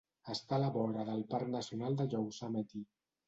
Està a la vora del Parc Nacional de Yosemite.